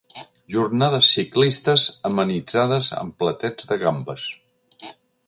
Jornades ciclistes amenitzades amb platets de gambes.